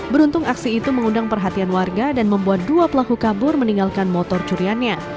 beruntung aksi itu mengundang perhatian warga dan membuat dua pelaku kabur meninggalkan motor curiannya